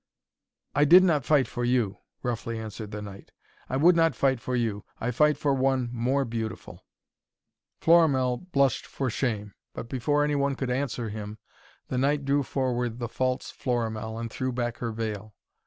'I did not fight for you!' roughly answered the knight. 'I would not fight for you! I fight for one more beautiful.' Florimell blushed for shame, but before any one could answer him, the knight drew forward the false Florimell and threw back her veil.